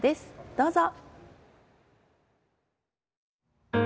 どうぞ。